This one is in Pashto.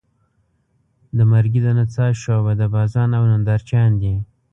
د مرګي د نڅا شعبده بازان او نندارچیان دي.